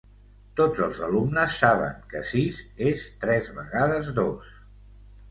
Tots els alumnes saben que sis és tres vegades dos